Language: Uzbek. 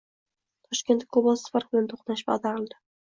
Toshkentda Cobalt Spark bilan to‘qnashib ag‘darildi